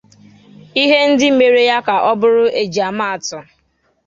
ihe ndị mere ya ka ọ bụrụ ejiamaatụ